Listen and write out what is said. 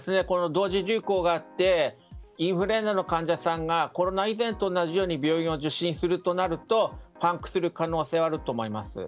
同時流行があってインフルエンザの患者さんがコロナ以前と同じように病院を受診するとなるとパンクする可能性はあると思います。